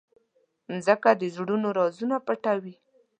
مځکه د زړونو رازونه پټوي.